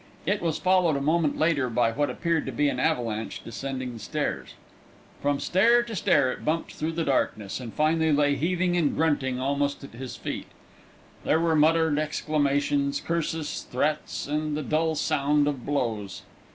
It was followed a moment later by what appeared to be an avalanche descending the stairs. From stair to stair it bumped through the darkness, and finally lay heaving and grunting almost at his feet. There were muttered exclamations, curses, threats, and the dull sound of blows.